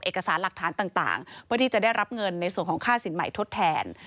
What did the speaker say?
เอกสารหลักฐานต่างเพื่อที่จะได้รับเงินในส่วนของค่าสินใหม่ทดแทน